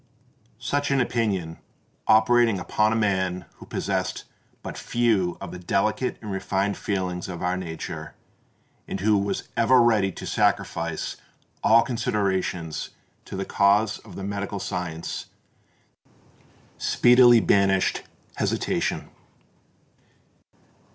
Such an opinion, operating upon a man who possessed but few of the delicate and refined feelings of our nature, and who was ever ready to sacrifice all considerations to the cause of the medical science, speedily banished hesitation.